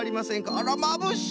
あらまぶしい！